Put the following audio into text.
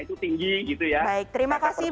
itu tinggi gitu ya terima kasih